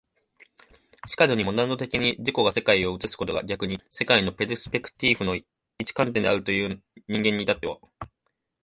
然るにモナド的に自己が世界を映すことが逆に世界のペルスペクティーフの一観点であるという人間に至っては、